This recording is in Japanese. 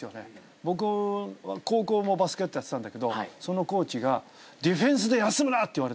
僕は高校もバスケットやってたんだけどそのコーチが「ディフェンスで休むな」って言われた。